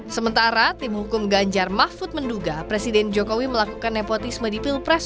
sementara tim hukum ganjar mahfud menduga presiden jokowi melakukan nepotisme di pilpres